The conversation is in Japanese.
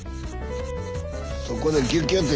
そこでギュッギュッて。